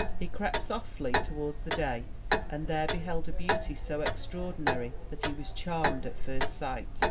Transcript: He crept softly toward the dais and there beheld a beauty so extra ordinary that he was charmed at first sight.